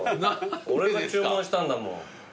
俺が注文したんだもん。